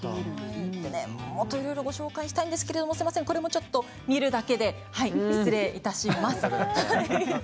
いろいろご紹介したいんですけれどもこれもちょっと見るだけで失礼いたします。